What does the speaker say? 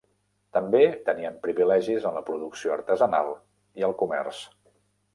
També tenien privilegis en la producció artesanal i el comerç.